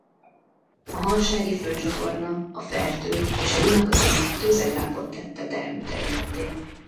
A Hansági-főcsatorna a Fertő és a Duna között tőzeglápot tette termőterületté.